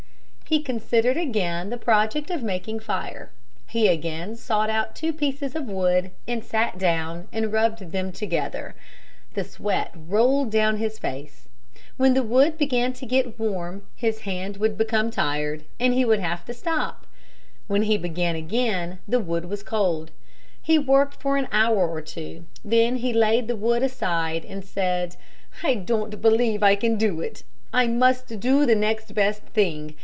He considered again the project of making fire. He again sought out two pieces of wood and sat down and rubbed them together. The sweat rolled down his face. When the wood began to get warm, his hand would become tired, and he would have to stop. When he began again the wood was cold. He worked for an hour or two, then he laid the wood aside and said, "I don't believe I can do it. I must do the next best thing.